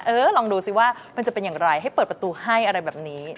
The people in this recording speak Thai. ลองดูสิว่ามันจะเป็นอย่างไรให้เปิดประตูให้อะไรแบบนี้